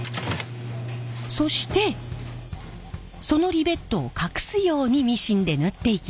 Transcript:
そしてそのリベットを隠すようにミシンで縫っていきます。